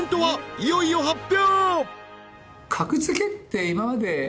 いよいよ発表！